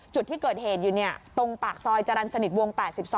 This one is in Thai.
จุดที่เกิดเหตุอยู่ตรงปากซอยจรรย์สนิทวง๘๒